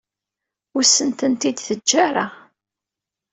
Ur asent-ten-id-teǧǧa ara.